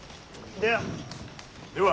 では。